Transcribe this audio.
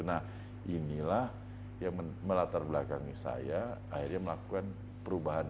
nah inilah yang melatar belakangi saya akhirnya melakukan perubahan